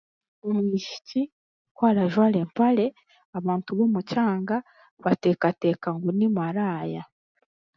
Omwishiki ku arajwara empare, abantu b'omukyanga bateekateeka ngu ni maraaya.